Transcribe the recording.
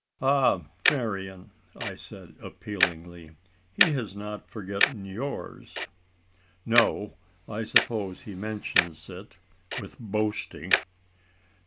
"Ah, Marian!" I said, appealingly, "he has not forgotten yours." "No I suppose he mentions it with boasting!"